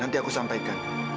aku pula yakin